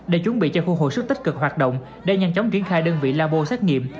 để chuẩn bị cho khu hồi sức tích cực hoạt động để nhanh chóng triển khai đơn vị labo xét nghiệm